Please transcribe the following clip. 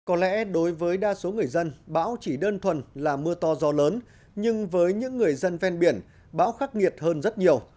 có lẽ đối với đa số người dân bão chỉ đơn thuần là mưa to gió lớn nhưng với những người dân ven biển bão khắc nghiệt hơn rất nhiều